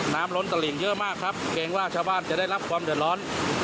ล้นตลิงเยอะมากครับเกรงว่าชาวบ้านจะได้รับความเดือดร้อน